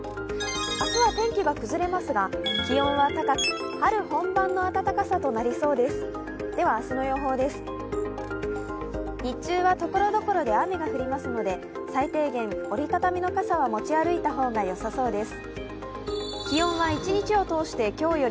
明日は天気が崩れますが、気温は高く春本番の暖かさとなりそうです。